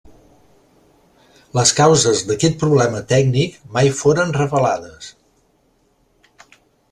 Les causes d'aquest problema tècnic mai foren revelades.